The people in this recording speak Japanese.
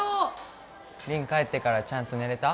凛帰ってからちゃんと寝れた？